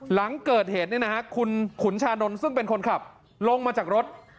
หลังเกิดเหตุคุณขุนชานนท์ซึ่งเป็นคนขับลงมาจากรถ